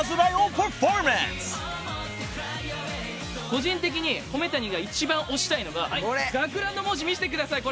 個人的に米谷が一番推したいのが学ランの文字見してください。